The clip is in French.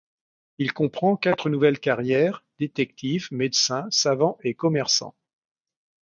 Il comprend quatre nouvelles carrières, détective, médecin, savant et commerçant.